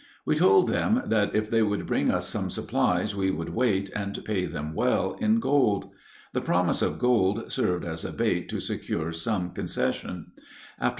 We told them that if they would bring us some supplies we would wait, and pay them well in gold. The promise of gold served as a bait to secure some concession.